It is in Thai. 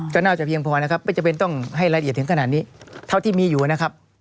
ก็น่าจะเพียงพอนะครับไม่จำเป็นต้องให้รายละเอียดถึงขนาดนี้เท่าที่มีอยู่นะครับ